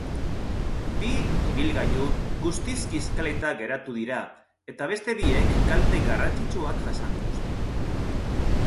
Bi ibilgailu guztiz kiskalita geratu dira eta beste biek kalte garrantzitsuak jasan dituzte.